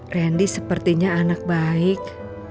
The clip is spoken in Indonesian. randy sepertinya anak baik